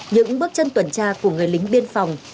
những bước chân tuần tra của người lính biên phòng